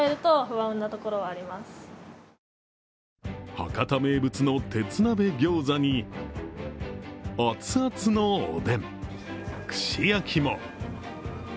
博多名物の鉄鍋餃子に、熱々のおでん、串焼きも。